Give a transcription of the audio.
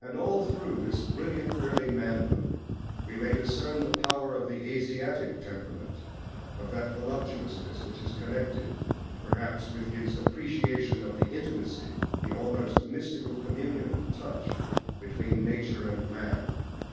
And all through this brilliant early manhood we may discern the power of the "Asiatic" temperament, of that voluptuousness, which is connected perhaps with his appreciation of the intimacy, the almost mystical communion of touch, between nature and man.